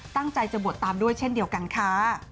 ตั้งใจจะบวชตามด้วยเช่นเดียวกันค่ะ